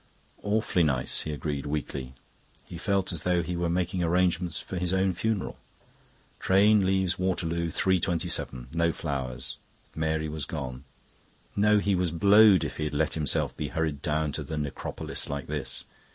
"Awfully nice," he agreed weakly. He felt as though he were making arrangements for his own funeral. Train leaves Waterloo 3.27. No flowers...Mary was gone. No, he was blowed if he'd let himself be hurried down to the Necropolis like this.